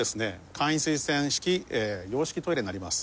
簡易水洗式洋式トイレになります。